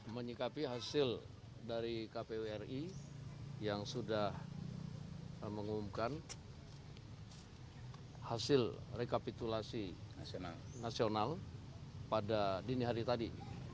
menyikapi hasil dari kpwri yang sudah mengumumkan hasil rekapitulasi nasional pada dini hari tadi